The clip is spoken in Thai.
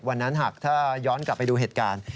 หากถ้าย้อนกลับไปดูเหตุการณ์